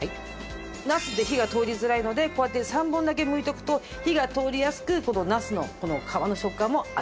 ナスって火が通りづらいのでこうやって３本だけ剥いておくと火が通りやすくナスの皮の食感も味わえる。